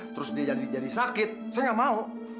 terus dia jadi jadi sakit saya gak mau